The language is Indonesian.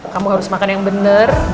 kamu harus makan yang benar